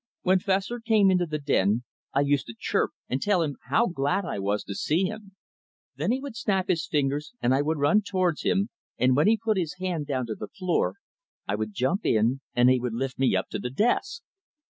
When Fessor came into the den I used to chirp and tell him how glad I was to see him. Then he would snap his fingers and I would run towards him, and when he put his hand down to the floor, I would jump in, and he would lift me up to the desk.